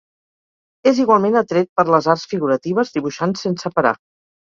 És igualment atret per les arts figuratives, dibuixant sense parar.